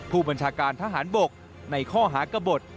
ผู้บัญชาการทหารบกในข้อหากระบด